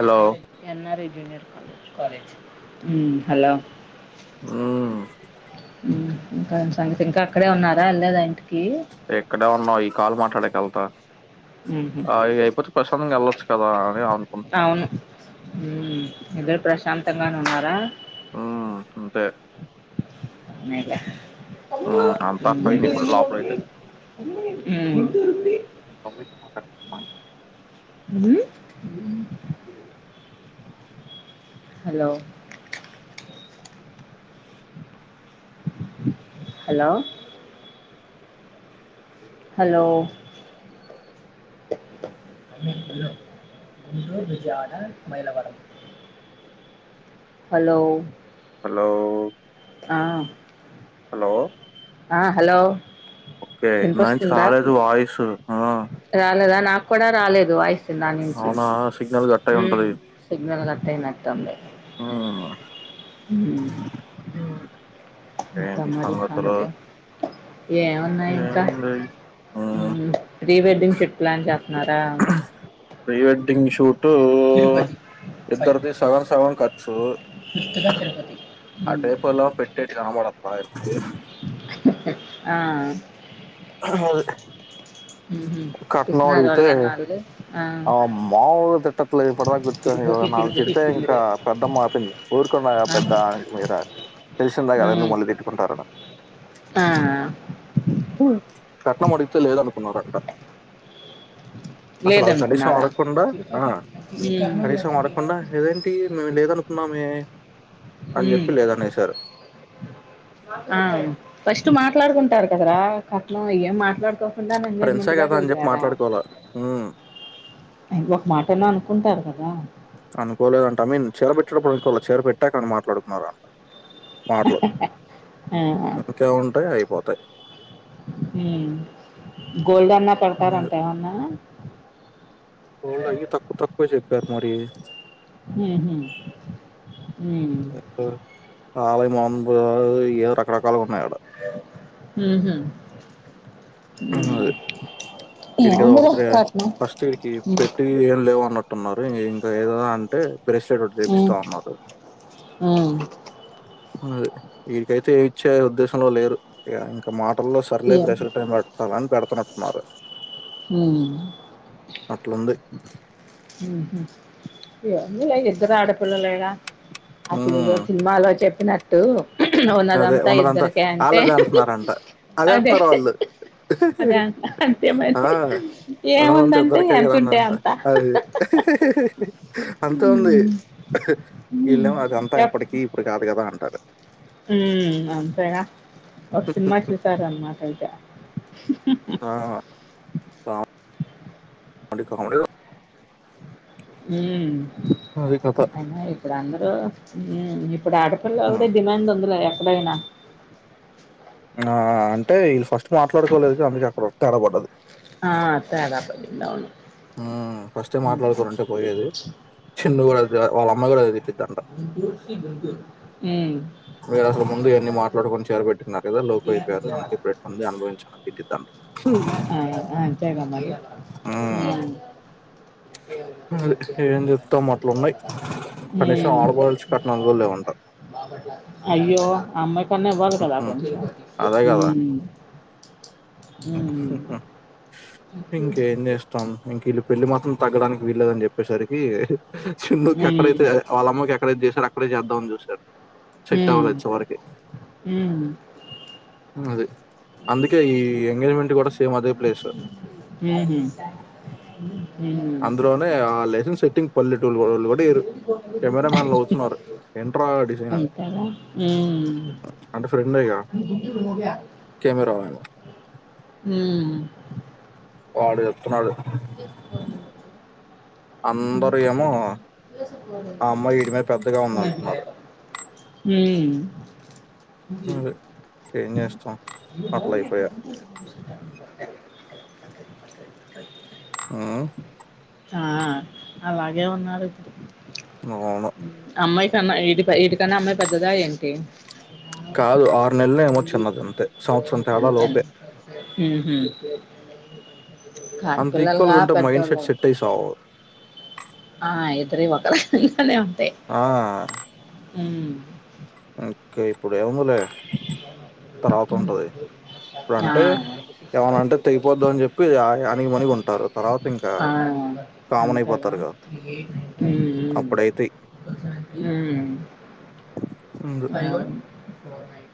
Hello NR I డిన్నార్ hello ఓ ఇంకా ఎమ్ సంగతి ఇంకా అక్కడే ఉన్నారా వెళ్లేదా ఇంటికి ఎక్కడ ఉన్నావు ఈ కాల్ మాట్లాడె వెళ్తా మ్మ్. ఆయి ఇవి అయిపోతే పస్ట్ [inaudible] మ వెళ్లచ్చు కదా అదే అవ్ అవును ఇద్దరు ప్రశాంతంగానే ఉన్నారా ఆ అంతే హ్మ్ అ అంతా ఫైన్ ఇప్పుడు లోపలైతే అరుంది [unintelligible] అ [unintelligible] అ [inaudible] హలో హలో అ [unintelligible] గుంటూరు విజయడ మైలవరం హలో హలో ఆవు హలో ఆ హలో ఓకే న వినిపిస్తుందా చాలజ వయిసు రాలేదా నాకు కూడా రాలేదు వాయిస్ వచ్చ దా నుంచి సిగ్నల్ కట్ అయి సిగ్నల్ కట్ట అయినట్టు తమ్ే [unintelligible] [inaudible] ఆ ఇంకా మరి అందుకే ఏమున్నాయి ఇంకా ఏముంది ప్రీ వెడ్డింగ్ షిఫట్ ప్లాన్ చేస్త ప్రీవెడ్డింగ్ ని ఇటు ఇద్దరిది సగన్ సగన్ ఖర్చు ఆ ఉమ్. టేపులా పెట్టేటిటు కనపడ అదే ఆ అదే కట్న పిసినారి అడిగితే వాళ్ళేనా ఆళ్ళు? ఆ మాముూలు తిట్టట్లు ఇప్పు కూర్చొని నాలుగు తిడితే ఇంకా పెద్దమ్ మా ఆపింది ఊరుకున్నా పెద్ద ఆహా! మీ తెలిసందా కదా హ్మ్. ఎందుకు మళ్ళీ తిట్టుకుంటారట ఆ కట్న అడిగితే లేద అనుకున్నారంట అసలు అవి కనీసం లేదనుకున్నారా? ఆడకుండా ఆ హ్మ్. కనీసం ఆడకుండా ఏదేంటి మేము లేదనుకో నామ ఆ ఫస్ట్ మాత్ర మాట్లాడుకుంటారు కదరా కట్న ఏం మాట్లాడుకో ఎంగేజ్మెంట్ ఫ్రెండ్సే కదా అని చెప్పి గాెళ్పారా మాట్లాడుకోవాలా ఉమ్, ఇ ఒక మాట అలో అనుకుంటారు కదా అనుకోలేదంట ఐ మీన్ చీర పెట్టేటప్పుడు అనుకోల చీర పెట్టాక అన్నీ మాట్లాడుకున్నారంట మాటలు హాహా ఆ ఇంకేముంటాయి అయిపోతాయి ఉమ్ గోల్డ్ అన్నా పెడతారంట ఏమన్నా వాళ్ళ అయ్యా తక్కువ తక్కువే చెప్పారు మరి హుహు. హ్మ్. ఆలయ [unintelligible] ఏవో రకరకాలుగా ఉన్నాయ ఊహూ అది వీడికిదా ఏముందిలే ఒకప్పుడే కట్నం ఫస్ట్ వీడికి పెట్టి ఏం లేవు అన్నట్టు ఉన్నారు ఇంకా ఏదో అంటే బ్రేస్‌లెట్ ఒకటి జేపిస్తా ఉమ్ అన్నాడు ఉమ్ అదే వీరికైతే ఏమిచ్చే ఉద్దేశంలో లేరు ఇగా ఇంకా మా అట్టల్లో సర్లే ఏంది ప్రెజర్ టైం పెట్టాలని పెడతునట్టున్నారు ఉమ్ అట్లుంది ఊహూ ఏమి లే ఇద్దరు ఆడపిల్లలేగా అసలు లో హ్మ్ సినిమాలో చెప్పిన ట్టు అదే ఉన్నదంతా ఇద్దరికే అంటే ఆళ్ళదే అంటున్నారంట. అదే అంటున్నారు వాళ్ళు. అదే అంత అంతేమ ఆ ఏముందంటే ఎంతుంటే అంతా అ అంత ఉంది ఉమ్ వీళ్లేమో అది అంతా ఎప్ ఎప్పటికి ఇప్పుడు కాదు కదా అ అదే ఉమ్ అంతేనా ఒక సినిమా చూసార అన్నమాట అయితే ఆ! అంటే కామెడీ ఉమ్ అది కథ. అయినా ఇప్పుడు అం ఇప్పుడు ఆడపిల్ల అవిడ హ్మ్. డిమాండ్ ఉంది లే ఎప్పుడైనా ఆ అంటే వీళ్ళు ఫస్ట్ మాట్లాడుకోలేదు అందుకే అక్కడ తేడ పడ్డదు ఆ అ తేడా పడింది అవును ఆ ఫస్ట్ మాట్లాడుకోని ఉంటే పోయేది చిన్న కూడా అది వాళ్ళమ్మ కూడా అది గుంటూ శీ గుంటూరు ఏయ్ మీరు అసలు ముందు ఎన్ని మాట్లాడుకొని చేర పెట్టుకున్నారు కదా లోకువ అయిపోయారు అందుకే పెట్టింది అనుభవించండి అని తిట్టిద్దంట ఆ అంతేగా మరి ఉమ్ హ్మ్. ను అది. ఏం జెప్తాం అట్లున్నాయి. కనీసం ఆడపడుచుకి కట్నాలు గూడా లేవంట. అయ్యో అమ్మాయికన్నా ఇవ్వాలి కదా హ్మ్. కొంచెం అదే గదా! ఉమ్ ఉమ్ ఇంకేం చేస్తాం ఇంక వీళ్ళ పెళ్లి మాత్రం తగ్గడానికి వీళ్లేదని చెప్పేసరికి చిన్న క్యాకడేతే ఉమ్ వల్ల అమ్మ [inaudible] సార్ అక్కడ చేద్దామని చూసారు. హ అది అందుకే ఈ ఎంగేజ్మెంట్ కూడా సేమ్ అదే ప్లేస్ ఉహు అందులోనే ఆ లెసెన్స్. సిటింగ్ పల్లిట్. అవుతున్నారు ఎంట్రా డిజైన్ అని అయింతదా. అంటే ఫ్రెండేగా కెమెరా మ్యాన్ వాడు చెప్తున్నాడు ఎస్ అందరూ ఏమో ఆ అమ్మాయి వీడి మీద పెద్దగా ఉంది అంటున్నారు ఉమ్ ఏం చేస్తాం అట్లా అయిపోయా అ ప ఆ ఆ అలాగే ఉన్నారుడు అవును ఇ. అమ్మాయి ఇడికన్నా అమ్మాయి పెద్దదా ఏంటి. కాదు ఆరు నెల్ ఏమో చిన్నది అంతే సంవత్సరం తేడా అంతే లోపే. అంత కానపిల్లలుగా ఈక్వల్‌గా ఉంటే మైండ్ సెట్ పెద్దోవాళ్ళ సెట్ అయ్యి సావవు. ఆ ఇద్దరు ఒకరు. ఫాలే ఆ హమ్ ఓకే ఇప్పుడే మామూలే తర్వాత ఉంటది ఇప్పుడ ఆ అంటే ఏమనంటే తెగిపోద్దా అని చెప్పి అనిగి మనిగి ఉంటారు తర్వాత ఇంకా ఆ కామన్ అంతేగా అయిపోతారు కద ఉమ్ ఉమ్ అప్పుడైత అయ ఇస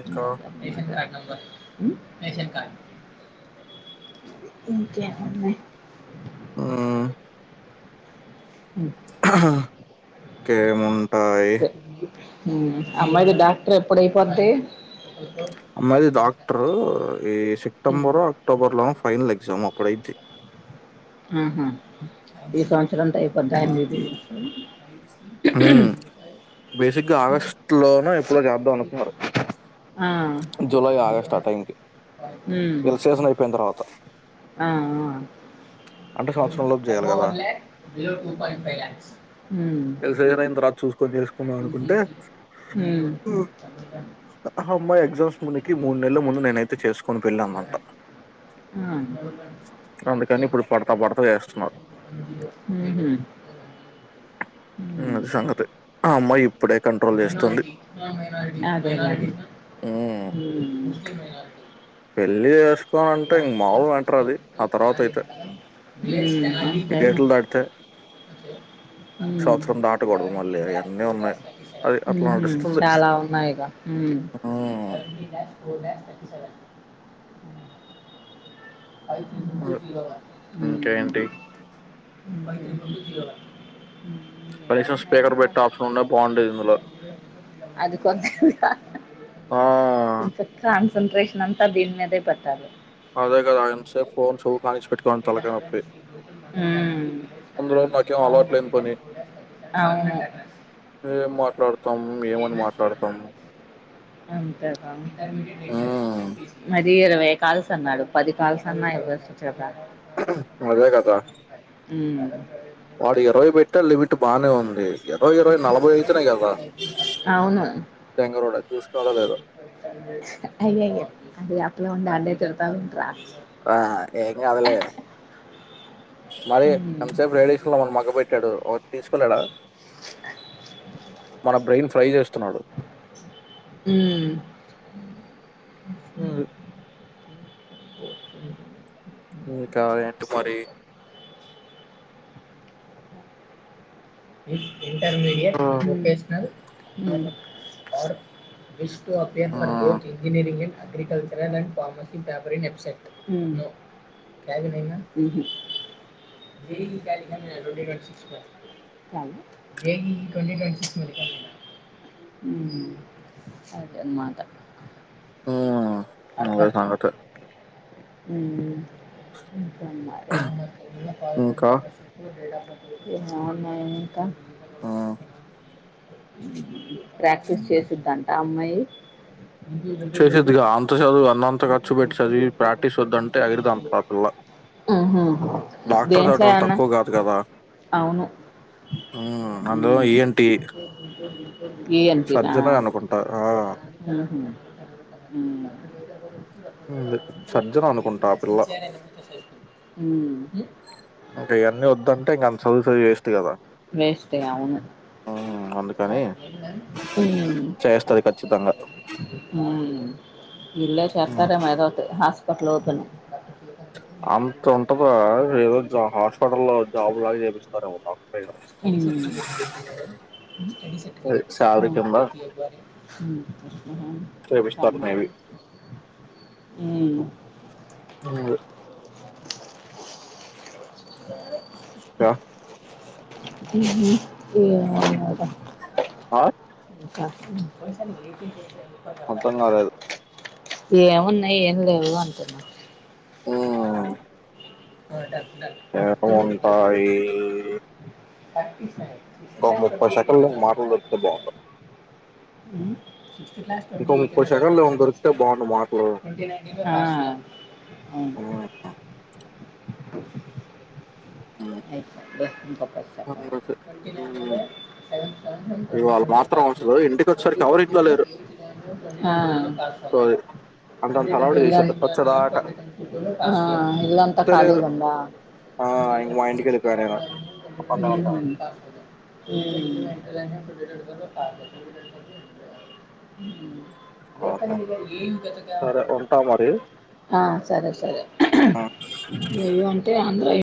ఇంకా ఇంకేముంది ఆ ఉమ్ ఇంకేముంటాయి అమ్మాయిది డాక్టర్ ఎప్పుడయిపోద్ది. అమ్మది డాక్టరు ఈ ఉమ్. సెప్టెంబరు అక్టోబర్ లో ఫైనల్ ఎగ్జామ్ అప్పుడయితే ఆహా ఈ సంవత్సర అంత అయిపోద్దా ఆమ్మి ది మ్మ్ బేసిక్గా ఆగస్టు లోనే ఎప్పుడో చేద్దాం అనుకున్నారు ఆ, జూలై ఆగస్ట్ ఆ టైం కి ఉమ్, ఇల సేషన్ అయిపోయిన తర్వాత అంటే ఆ సంవత్సరం లోపు చేయాలి కదా ఆ మ్మ్ కొద్దిగ ఎస్కుందాం అనుకుంటే ఉమ్, అమ్మాయ ఎగ్జామ్స్ మునికి మూడునెలల ముందు నేనైతే చేసు ఆ మ్మ్ అందుకని ఇప్పుడు పడతా పడతా చేస్తున్నారు హ్మ్ మ్మ్ అది సంగతి ఆ అమ్మాయి ఇప్పుడే కంట్రోల్ చేస్తుంది అదేలేండి ఉమ్ మ్మ్ పెళ్లి చేస్ మ్మ్ అయితే ఈ డేట్లు దాటితే మ్మ్ సంవత్సరం దాటకూడదు మళ్ళీ అవన్నీ ఉన్నాయి అది అట్లా మ్మ్ హ్మ్ నడుస్తుంది చాలా ఉన్నాయిగా మ్మ్ ఉమ్ అది. మ్మ్ ఇంకేంటి ముబైకి పందు కనీసం స్పీకర్ పెట్టే ఆప్షన్ ఉండే బాగుండేది ఇందులో అది కొంత ఆ! ఇన్ఫె సంత్రేష్న్ అంతా దీని మీదే పట్టారు వు అదే కదా! ఎంతసేపు ఫోను చెవుకి ఆనించి పెట్టుకోని తలకాయ నొప్పి. అందులో నాకేం అలవాటు లేని పని. ఏం మాట్లాడతాం? ఏమని మాట్లాడతాం? హ్మ్. అ రవ కాల్స్ అన్నాడు పది కాల్స్ అన్నా ఇవ మజా కదా హ్మ్ వాడికి ఇరవై పెట్ట లిమిట్ బానే ఉంది. అయితేనే కదా! అవును దెంగరోడు చూసుకున్నాడో లేదో. అయ్య అయ అదే అప్పులా ఉండ అడ చెతా ఉంట రా ఆ ఏంగ్ కావలే మరి మ్మ్. ఎంస రైడేషన్ మ మగబ ట్టాడు తీసుకున్నాడా మన బ్రెయిన్ ఫ్రై చేస్తున్నాడు మ్మ్. ఇకా ఎంటి మరి వి ఇంటర్మీడియట్ హ్మ్. హమ్ vocational hum are is టటు appear ఫ హ్మ్. బోత్ ఇంజనీరింగ్ ఇడ్ అగ్రికల్చర్ అణు ఫార్మసీ ఫాబ్రిన్ ఎస్పెట్ నో [unintelligible] చ జేఇ కొ క అదే అంత మాత హమ్ సంగత హమ్ మ అ ఎ ప ఇంకా? సుత్తూరుడ ఎ అవన ఇంకా ఆ ప్రాక్టీస్ చేసిద్దంట అమ్మాయి చేసేదిగా అంత చదువు అన్నంత ఖర్చు పెట్టటిది ప్రాక్టీస్ చూద్దంటే అఐరుద అంత ఆ పిల్ల ఉహు. డాక్టర్ దేంట్లో దటడం అన్న తక్కువ కాదు కదా అవును హమ్ అందులో ఉమ్. ఏంటి ఏంటినా సర్జన అనుకుంటారు హమ్ హమ్ స్జ్ ఏయిట్ంచియ హమ్ ఇంకా ఇవన్నీ వద్దంటే ఇంకా అంత చదువు చదువి వీస్ట్ కదా వేస్టే అవును అందుకని ఉమ్. చేస్తుంది ఖచ్చితంగా విల్ హ్మ్. చేతారే మేదో హాస్ అపట్లలోఓపెన్ అంత ఉంటదా ఏదోజు హాస్పిటల్ లో జాబు లాగా చేపిస్తారేమన్నా హమ్ అదే సాలరీ కింద హా హా చేపిస్తారు మేబీ. హమ్ వ ఏ హలో హమ్ మ్మ ఏవుద ఆ? ఇంకా అర్థం కాలేదు ఏమున్నాయి ఏం లేదు అంటున్నా ఓ ఆడ ఎంట ఈ ప్రక్పిస్ [unintelligible] మాటలు దొరికితే బాగుండు ఇంకో ముప్పై సెకండ్లు ఏమైనా దొరికితే [unintelligible] బాగుండు మాటలు ట్వంటీ నైన్ ఉమ్. [inaudible] [unintelligible] స ట్ట్ ఇవాళ పాట్ట్ంట మాత్రం పాస్ల అసలు ఇంటికి ట్వంటీ వచ్చేసరికి ఎవరు ఇంట్లో ట్వంట లేరు సో అది అంతంత అలవాటు చేశారు ఎ వచ్చేదాకా ట్వంట ట్ంట ఎ వస్తే లేరు ఖాళీగా ఉందా [inaudible] ఆ, ఇంక మా ఇంటికి వెళ్ళిపోయా నేను ఒక్కడినే ఉంటా. ఆహా. లోకలిగా ఏగతుగా సరే ఉంటా మరి సరే సరే ఆ అయ్యయ్యో అంటే ఆంధ్ర